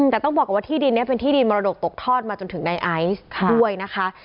แต่ต้องบอกก่อนว่าที่ดินนี้เป็นที่ดินมรดกตกทอดมาจนถึงในไอซ์ด้วยนะคะ